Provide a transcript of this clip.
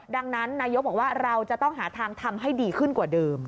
ดังนั้นนายกบอกว่าเราจะต้องหาทางทำให้ดีขึ้นกว่าเดิม